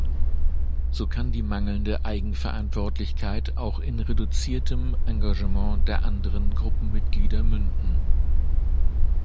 So kann die mangelnde Eigenverantwortlichkeit auch in reduziertem Engagement der anderen Gruppenmitglieder münden.